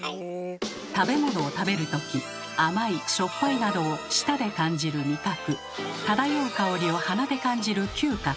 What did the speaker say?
食べ物を食べるとき甘いしょっぱいなどを舌で感じる「味覚」漂う香りを鼻で感じる「嗅覚」